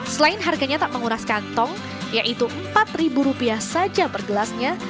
selain harganya tak menguras kantong yaitu rp empat saja per gelasnya